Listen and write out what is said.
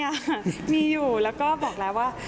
มีค่ะมีอยู่แล้วก็บอกแล้ว